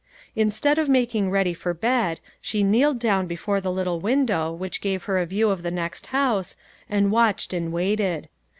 Instead of making ready for bed, she kneeled down before the little window which gave her a view of the next house, and watched and waited.